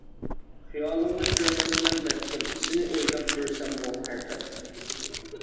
خىيالىڭغا كىرمەسمەن بەلكىم، سىنى ئويلاپ يۈرسەممۇ ھەردەم.